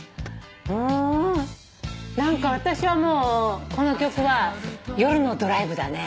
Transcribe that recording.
うん何か私はもうこの曲は夜のドライブだね。